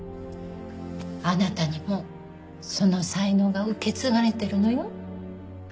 あなたにもその才能が受け継がれてるのよ。